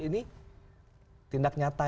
ini tindak nyata